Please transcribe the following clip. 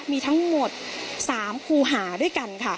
มีทั้งหมด๓คู่หาด้วยกันค่ะ